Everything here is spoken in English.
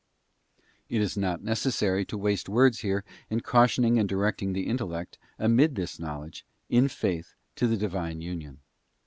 It is not necessary to waste words here in cautioning and directing the Intellect, amid this knowledge, in Faith to the Divine union.